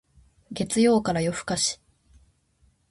月曜から夜更かし